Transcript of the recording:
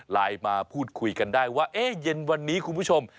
ไลน์มาพูดคุยกันได้ว่าเย็นวันนี้คุณผู้ชม